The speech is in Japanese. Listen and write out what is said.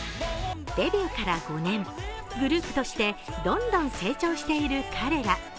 デビューから５年、グループとしてどんどん成長している彼ら。